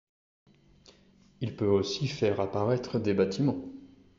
Il peut aussi faire apparaitre des bâtiments.